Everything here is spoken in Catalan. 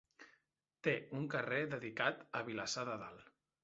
Té un carrer dedicat a Vilassar de Dalt.